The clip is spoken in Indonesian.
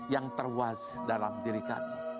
yang terwazi dalam diri kami